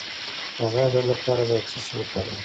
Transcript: د غاښ د درد لپاره باید څه شی وکاروم؟